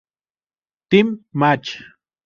Team match".